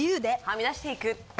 はみ出していく。